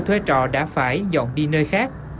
họ đã phải dọn đi nơi khác